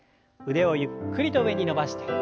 腕をゆっくりと上に伸ばして。